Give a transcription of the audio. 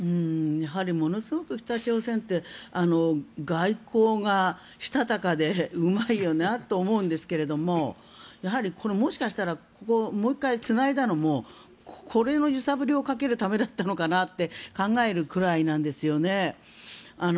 やはりものすごく北朝鮮って外交がしたたかでうまいなと思うんですけどももしかしたらもう１回つないだのもこれの揺さぶりをかけるためだったのかなと考えるくらいなんですよね。